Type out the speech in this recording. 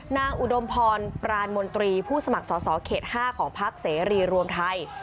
อุดมพรปรานมนตรีผู้สมัครสอสอเขต๕ของพักเสรีรวมไทย